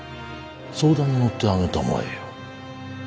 相談に乗ってあげたまえよ。